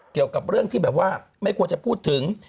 เกี่ยวกับเรื่องที่แบบว่าไม่ควรจะพูดถึง